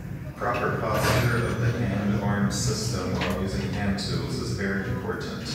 Proper posture of the hand-arm system while using hand tools is very important.